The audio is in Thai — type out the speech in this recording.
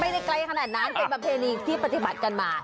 ได้ไกลขนาดนั้นเป็นประเพณีที่ปฏิบัติกันมา